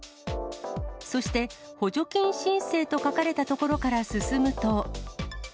そして補助金申請と書かれた所から進むと。